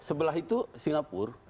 sebelah itu singapura